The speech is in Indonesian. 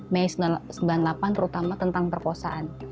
mei seribu sembilan ratus sembilan puluh delapan terutama tentang perkosaan